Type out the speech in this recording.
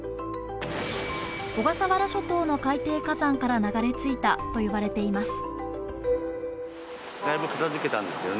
小笠原諸島の海底火山から流れ着いたと言われています。